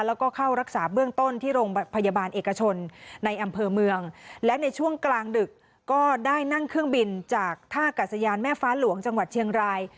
แล้วก็เข้ารักษาเบื้องต้นที่โรงพยาบาลเอกชนในอำเภอเมืองและในช่วงกลางดึกก็ได้นั่งเครื่องบินจากท่ากัศยานแม่ฟ้าหลวงจังหวัดเชียงราย